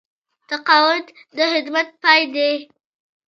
تقاعد د خدمت پای دی